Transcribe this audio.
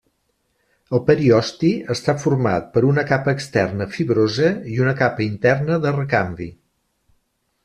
El periosti està format per una capa externa fibrosa i una capa interna de recanvi.